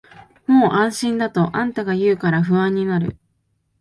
もう安心だとあんたが言うから不安になる